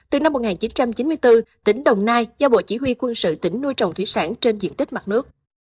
từ năm một nghìn chín trăm chín mươi bốn tỉnh đồng nai do bộ chỉ huy quân sự tỉnh nuôi trồng thủy sản trên diện tích mặt nước